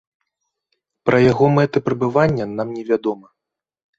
Пра яго мэты прыбывання нам не вядома.